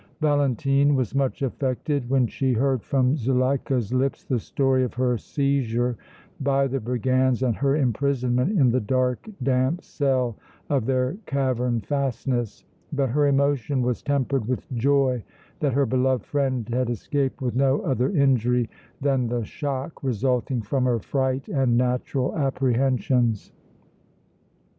Valentine was much affected when she heard from Zuleika's lips the story of her seizure by the brigands and her imprisonment in the dark, damp cell of their cavern fastness, but her emotion was tempered with joy that her beloved friend had escaped with no other injury than the shock resulting from her fright and natural apprehensions.